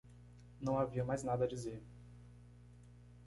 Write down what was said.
Não havia mais nada a dizer.